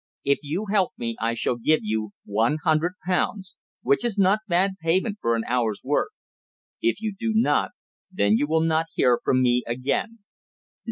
If you help me I shall give you one hundred pounds, which is not bad payment for an hour's work. If you do not, then you will not hear from me again.